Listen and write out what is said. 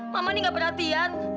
mama ini nggak perhatian